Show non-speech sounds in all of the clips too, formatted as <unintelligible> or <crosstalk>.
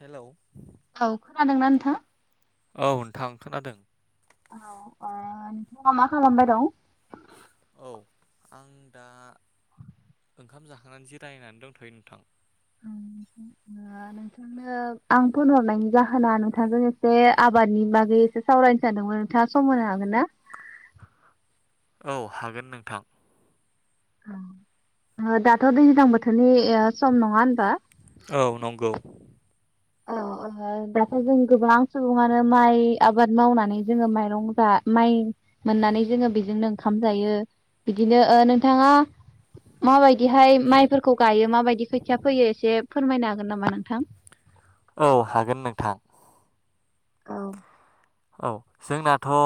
Hello औ खोनादोंना नोंथां? औ नोंथां खोनादों औ नोंथाङा मा खालामबाय दं औ आं दा ओंखाम जाखांनानै जिरायनानै दंथ'यो नोंथां नोंथांनो आं फन हरनायनि जाहोना नोंथांजों एसे आबादनि बागै एसे सावरायनो सानदोंमोन नोंथाङा सम होनो हागोन ना? औ हागोन नोंथां दाथ' दैज्लां बोथोरनि सम नङा औ नंगौ औ दाथ' जों गोबां सुबुङानो माइ आबाद मावनानै जोङो माइरं जा माइ - मोननानै जोङो बेजोंनो ओंखार ओंखाम जायो बिदिनो नोंथाङा माबायदि हाय माइफोरखौ गायो माबायदि खोथिया फैयो एसे फोरमायनो हागोन नामा नोंथां औ हागोन नोंथां। औ। औ जोंनाथ' ओ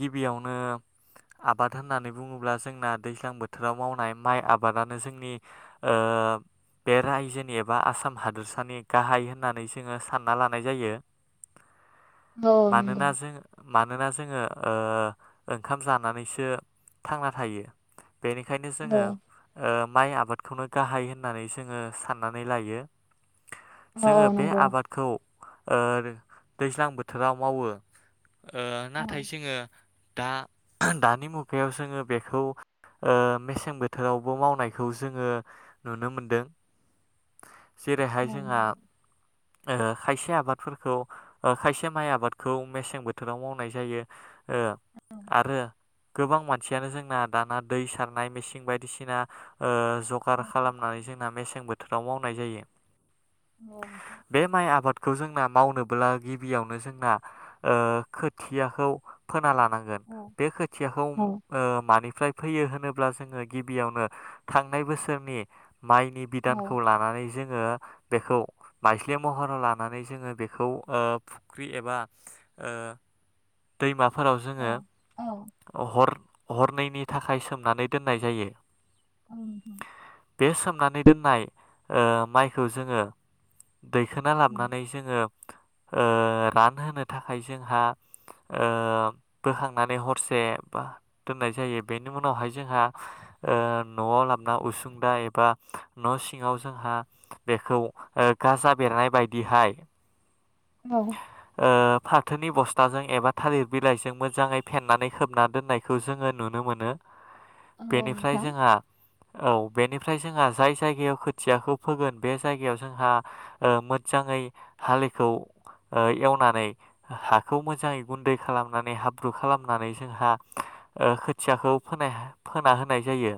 गिबियावनो आबाद होननानै बुङोब्ला जोंना दैज्लां बोथोराव मावनाय माइ आबादानो जोंनि ओ बे रायजोनि एबा आसाम हादोरसानि गाहाय होननानै जोङो सानना लानाय जायो। औ नंगौ। मानोना जों मानोना जोङो ओ ओंखाम जानानैसो थांना थायो। बेनिखायनो औ औ जोङो ओ माइ आबादखौनो गाहाय होननानै जोङो साननानै लायो। औ जोङो बे नंगौ आबादखौ। ओ आरो दैज्लां बो थोराव मावो। ओ नाथाय औ जोङो। दा दानि मुगायाव जोङो बेखौ ओ मेसें बोथोरावबो मावनायखौ जोङो नुनो मोनदों। जेरैहाय औ जोंहा। ओ खायसे आबादफोरखौ खायसे जों माइ आबादखौ मेसें बोथोराव मावनाय जायो ओ आरो गोबां मानसियानो जोंना दाना दै सारनाय मेसिं बायदिसिना ओ जगार खालामनानै जोंना मेसें बो थोराव मावनाय जायो। औ। खौ जोंना मावनोबोब्ला गि बियावनो जोंना ओ खोथियाखौ फोना ला <unintelligible> बे खोथियाखौ औ ओ मानि फ्राय फैयो होनोब्ला जोङो गिबियावनो थांनाय बोसोरनि। माइनि औ बिदानखौ लानानै जों। ओ बेखौ मायस्लि महराव लानानै जोङो बेखौ ओ फुख्रि एबा ओ दैमा। फोराव औ औ जोङो हर हरनैनि थाखाय सोमनानै दोननाय जायो। <unintelligible> बे सोमनानै दोननाय ओ माइखौ जोङो। दैखोना लाबोनानै जोङो। ओ रानहोनो थाखाय जोंहा। ओ बोखांनानै हरसे बा दोननाय जायो बेनि उनावहाय जोंहा ओ न'आव लाबोन उसुंदा एबा न' सिङाव जोंहा बेखौ गाजा बेरनाय बायदिहाय। ओ फाथोनि बस्थाजों एबा थालिर बिलाइजों मोजाङै फेनानै खोबना दोननायखौ जोङो नुनो मोनो। औ बेनिफ्राय नोंथां जोंहा। औ बेनिफ्राय जोंहा जाय जायगायाव खोथियाखौ फोगोन बे जायगायाव जोंहा ओ मोजाङै हालेखौ एवनानै हाखौ मोजाङै गुन्दै खालामनानै हाब्रु खालामनानै जोंहा ओ खोथियाखौ फोना फोना होनाय जायो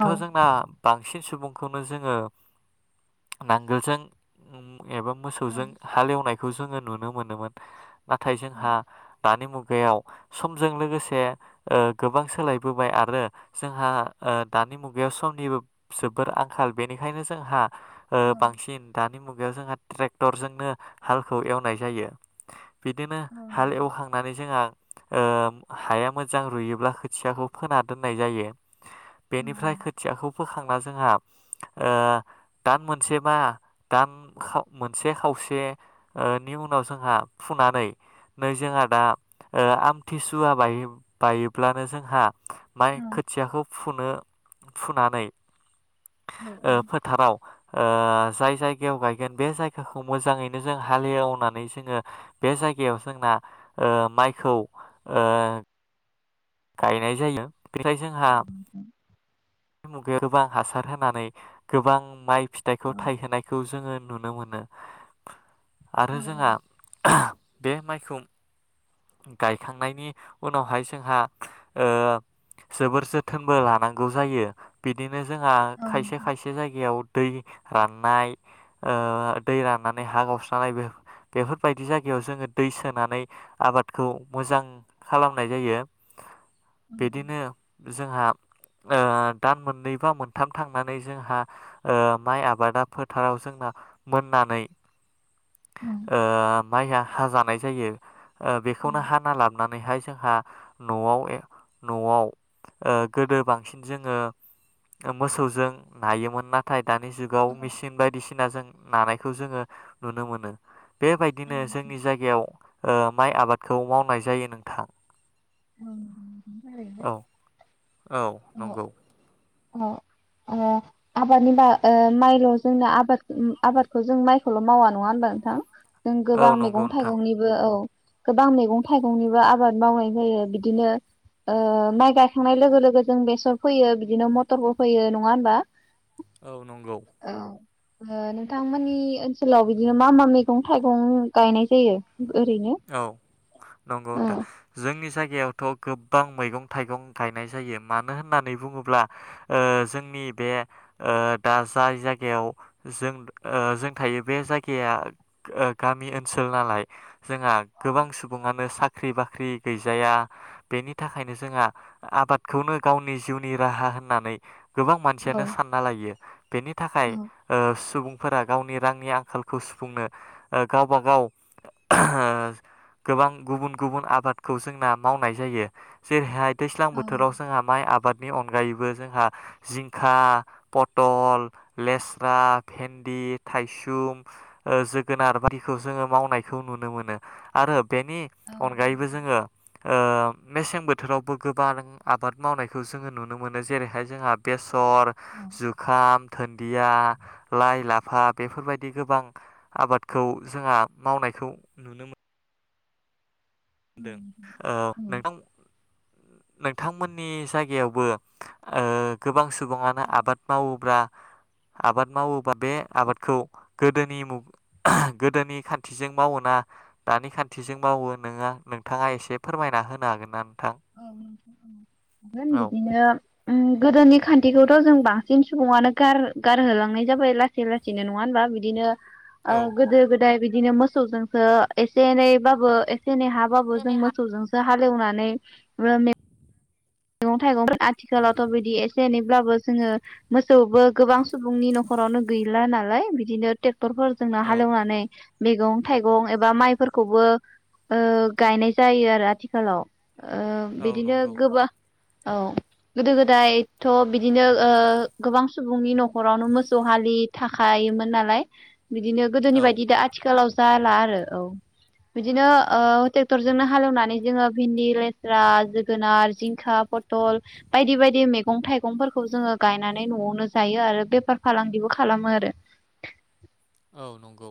औ जोंना बां बांसिन सुबुंखौनो जोङो नांगोलजों ओम एबा औ मोसौजों हालेवनायखौ जोङो नुनो मोनोन नाथाय जों औ हा दानि मुगायाव समजों लोगोसे ओ गोबां सोलायबोबाय आरो जोंहा ओ दानि मुगायाव समनिबो जोबोर आंखाल बेनिखायनो जोंहा ओ औ बांसिन दानि मुगा याव जोंहा ट्रेक्टरजोंनो हालखौ एवनाय जायो । बिदिनो नोंथां खांनानै जोंहा ओ हाया मोजां रुयोब्ला खोथियाखौ फोना दोननाय जायो । बेनिफ्राय औ खोथियाखौ फोखांना जोंहा ओ दान मोनसे बा दान मोनसे खावसेनि ओ उनाव जोंहा फुनानै नै जोंहा दा ओ आमथिसुवा बायो-बायोब्लानो जोंहा माय औ नंगौ औ खोथियाखौ फुनो फुनानै औ औ ओ फोथाराव ओ जाय जायगायाव गायगोन बे जायगाखौ मोजाङैनो जों हालेवनानै जोङो बे जायगायाव जोंना ओ माइखौ ओ गायनाय जायो । बेखाय जोंहा नोंथां दानि मुगायाव गोबां हासार होनानै गोबां माइ फिथाइखौ औ थायहोनायखौ जोङो नुनो मोनो । औ आरो औ जोंहा नोंथां बे माइखौ गायखांनायनि उनावहाय जोंहा ओ जोबोर जोथोनबो लानांगौ जायो बिदिनो जोंहा खायसे खायसे जायगायाव दै राननाय ओ दै राननानै हा गावस्रानै बे बेफोरबायदि जायगायाव जोङो दै सोनानै आबाद खौ मोजां खालामनाय जायो । बिदिनो औ जोंहा ओ दान मोननै बा मोनथाम थांनानै जोंहा ओ माइ आबादा फोथाराव जोंना मोननानै ओ माया हाजानाय जायो ओ औ बे खौनो हाना लाबानैहाय जोंहा न'आव न'आव ओ गोदो बांसिन जोङो मोसौजों नायोमोन नाथाय दानि नोंथां जुगाव औ मेसिन बायदिसिनाजों नानायखौ जोङो नुनो मोनो । बेबायदिनो जोंनि नंगौ जायगायाव ओ माइ आबाद खौ मावनाय जायो नोंथां ओं औ औ नंगौ अ ओ आबादनि बा ओ माइल' जोंनो आबाद आबादखौ जों माइखौल' मावा नङा होनबा नोंथां जों औ गोबां नंगौ मैगं नोंथां थाइगंनिबो औ गोबां मैगं थाइगंनिबो आबाद मावनाय जायो बिदिनो ओ माइ गायखांनाय लोगो लोगो जों बेसर फैयो बिदिनो मथरबो फैयो नङा होमबा औ नंगौ ओ नोंथांमोननि ओनसोलाव बिदिनो मा मा मैगं थाइगं गायनाय जायो ओरैनो औ नंगौ औ नोंथां जोंनि जाय गायावथ' गोबां मैगं थाइगं गायनाय जायो मानो होननानै बुङोब्ला ओ जोंनि बे ओ दा जाय जायगायाव जों ओ जों थायो बे जायगाया गा गामि ओनसोल नालाय जोंहा गोबां सुबुङानो साख ख्रि बाख्रि गैजाया बेनि थाखायनो जोंहा आबादखौनो गावनि जिउनि राहा होननानै गोबां मानसियानो औ सानना लायो बेनि थाखाय ओ सुबुं फोरा गावनि रांनि आंखालखौ सुफुंनो ओ गावबा गाव गोबां गुबुन गुबुन आबादखौ जोंना मावनाय जायो जेरैहाय दैज्लां औ बोथोराव जोंहा माइ आबाद नि अनगायैबो जोंहा जिंखा पटल, लेस्रा, भेन्दि, थायसुम ओ जोगोनार बादिखौ जोङो मावनाय खौ नुनो मोनो आरो बेनि औ अनगायैबो जोङो ओ मेसें बोथोरावबो गोबां आबाद मावनायखौ जोङो नुनो मोनो जेरैहाय जोंहा बेस्ट सर औ जुखाम धोनदिया लाइ लाफा बेफोरबायदि गोबां आबादखौ जोंहा मावनाय खौ नुनो मोन दों ओ नों नोंथांमोननि जायगायावबो ओ गोबांसि सुबुङानो औ आबाद मावोब्ला आबाद मावोबा बे आबादखौ गोदोनि मुग गोदोनि खान्थिजों मावोना दानि खान्थिजों मावो नोङो नोंथाङा एसे फोरमायना होनो हागोनना? औ <unintelligible> गोन औ बिदिनो ओम गोदोनि खान्थिखौथ' जों बांसिन सुबुङानो गार गारहोलांनाय जाबाय लासै लासैनो नङा होनबा बिदिनो। ओ औ गोदो गोदाय बिद बिदिनो मोसौजोंसो एसे एनैबाबो एसे एनै हाबाबो जों मोसौजोंसो हालेवनानै <unintelligible> मैगं थाइगंफोर आथिखालावथ' बिदि एसे एनैब्लाबो जोङो मोसौबो गोबां सुबुंनि न'खरावनो गैला नालाय बिदिनो क्टरफोरजोंनो औ हालेवनानै मैगं थाइगं एबा माइफोरखौबो ओ गायनाय जायो आरो आथिखालाव। ओ औ बिदिनो नंगौ गोबां औ गोदो गोदायथ' बिदिनो ओ गोबां सुबुंनि न'खरावनो मोसौ हालि थाखायोमोन नालाय। बिदिनो गोदोनि औ बायदि दा आथिखालाव जाला आरो औ बिदिनो ओ ट्रेक्टरजोंनो हालेवनानै जोङो भिन्दि लेस्रा जोगोनार जिं खा फटल बायदि बायदि मैगं थाइगंफोरखौ जोङो गायनानै न'आवनो जायो आरो बेफार फालांगिबो खालामो आरो। औ नंगौ।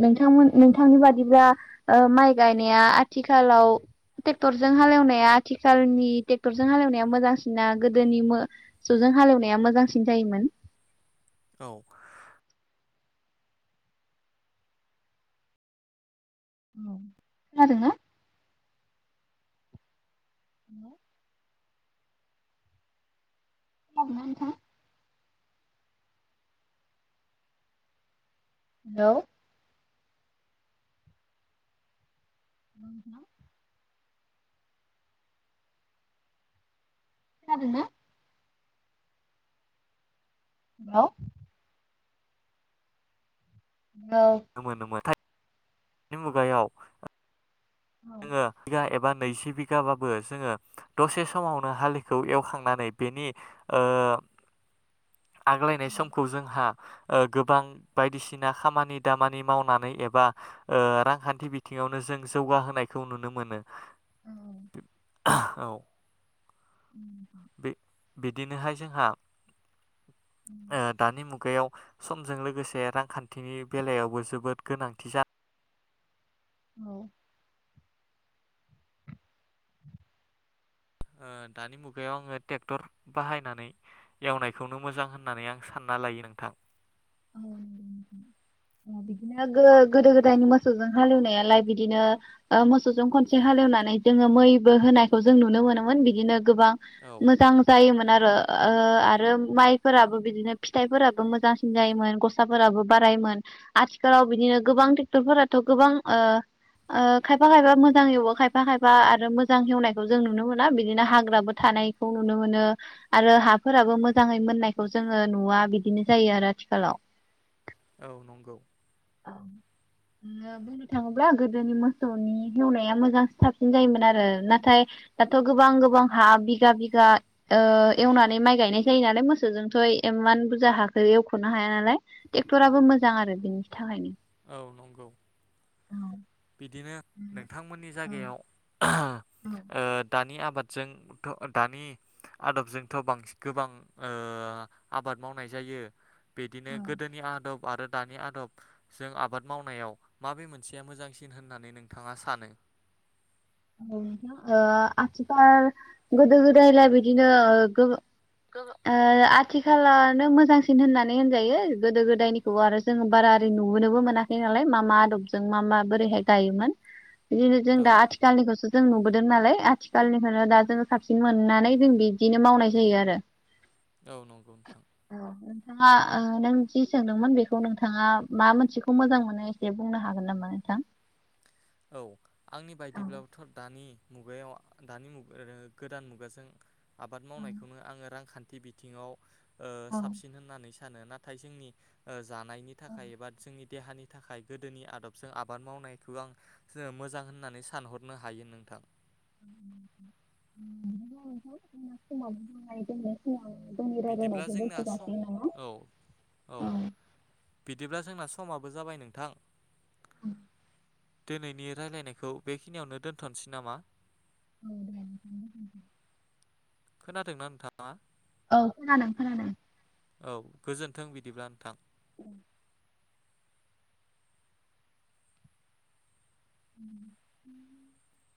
नोंथांमोन नोंथांनि बादिब्ला ओ माइ गायनाया आथिखालाव ट्रेक्टरजों हालेवनाया आथिखालनि ट्रेक्टरजों हालेवनाया मोजांसिना गोदोनि मोसौजों हालेवनाया मोजांसिन जायोमोन? औ। खोनादोंना? <inaudible> खोनादोना नोंथाङा? हेलौ। औ नोंथां। खोनादोंना? हेलौ। नुनो मोनोमोनथाय नि मुगायाव जोङो बिगा एबा नैजि बिघाबाबो जोङो दसे समावनो हालिखौ एवखांनानै बेनि ओ आग्लायनाय समखौ जोंहा ओ गोबां बायदिसिना खामानि दामानि मावनानै एबा ओ रांखान्थि बिथिङावनो जों जौगाहोनायखौ नुनो मोनो। औ। औ। बे बिदिनोहाय जोंहा ओ दानि मुगायाव समजों लोगोसे रांखान्थिनि बेलायावबो जोबोद गोनांथि जा औ। दानि मुगायाव आङो ट्रेक्टर बाहायनानै एवनायखौनो मोजां होननानै आं सानना लायो नोंथां। औ नंगौ नोंथां ओ बिदिनो गो-गोदो गोदायनि मोसौजों हालेवनायालाय बिदिनो ओ मोसौजों खनसे हालेवनानै जोङो मैबो होनायखौ जों नुनो मोनोमोन बिदिनो गोबां औ मोजां जायोमोन आरो। ओ ओ आरो माइफोराबो बिदिनो फिथाइफोराबो मोजांस सिनजायोमोन गसाफोराबो बारायोमोन आथिखालाव बिदिनो गोबां ट्रेक्टरफोराथ' गोबां ओ ओ खायफा खायफा मोजाङ एवो खायफा खायफा आरो मोजां हेवनायखौ जों नुनो मोना बिदिनो हाग्राबो थानायखौ नुनो मोनो आरो हाफोराबो मोजाङै मोननायखौ जोङो नुवा बिदिनो जायो आरो हेलौ औ नंगौ औ बुंनो थाङोब्ला गोदोनि मोसौनि एवनाया मोजां साबसिन जायोमोन आरो नाथाय दाथ' गोबां गोबां हा बिगा बिगा ओ एवनानै माइ गायनाय जायो नालाय मोसौजोंथ' इमान बुरजा हाखौ एवख'नो हाया नालाय ट्रेक्टराबो मोजां आरो बेनि थाखायनो औ नंगौ बिदिनो नोंथांमोननि जायगायाव ओ दानि आब आबादजोंथ' दानि आदबजोंथ' बांसिन गोबां ओ आबाद मावनाय जायो बिदिनो गोदोनि आदब आरो दानि आदब जों आबाद मावनायाव माबे मोनसेया मोजांसिन होननानै नोंथाङा सानो? ओ आथिखाल गोदो गोदायलाय बिदिनो ओ गो ओ आद थिखालानो मोजांसिन होननानै होनजायो गोदो गोदायनिखौ आरो जोङो बारा ओरै नुबोनोबो मोनाखै नालाय मा मा आदबजों मा मा बोरैहाय गायोमोन बिदिनो जों औ दा आथिखालनिखौसो जों नुबोदों नालाय आथिखालनिखौनो दा जोङो साबसिन मोननानै जों बिदिनो मावनाय जायो आरो औ नंगौ नोंथां नोंथाङा ओ नों जि सोंदोंमोन बेखौ नोंथाङा मा मोनसेखौ मोजां मोनो एसे बुंनो हागोन नामा नोंथां? औ आंनि बायदिब्लाबोथ' दानि मुगायाव दानि मुग ओ गोदान मुगाजों आबाद मावनायखौनो आङो रांखानथि थि बिथिङाव ओ साबसिन होननानै सा सानो नाथाय जोंनि ओ जानायनि थाखाय एबा जोंनि देहानि थाखाय गोदोनि आदबजों आबाद मावनायखौ आं मोजां होननानै सानहरनो हायो नोंथां बिदिब्ला नोंथां जोंना समाबो जाबाय दोननोसै बिदिब्ला जोंना स औ औ बिदिब्ला जो जोंना समाबो जाबाय नोंथां ओम दिनैनि रायलायनायखौ बेखिनियावनो दोन्थ'नोसै नामा? औ दे नोंथां दोन्थ'नोसै खोनादोंना नोंथाङा? औ खोनादों खोनादों औ गोजोन्थों बिदिब्ला नोंथां । <inaudible> <inaudible>